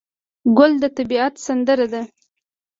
ګل د طبیعت سندره ده.